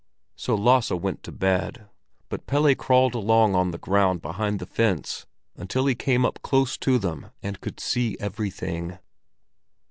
So Lasse went to bed, but Pelle crawled along on the ground behind the fence until he came close up to them and could see everything.